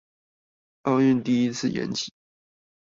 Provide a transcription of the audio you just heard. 奧運第一次延期